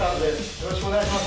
よろしくお願いします